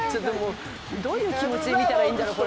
「どういう気持ちで見たらいいんだろう？